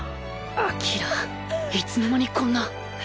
輝いつの間にこんな。